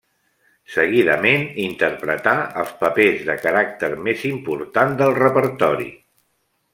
Seguidament interpretà els papers de caràcter més important del repertori.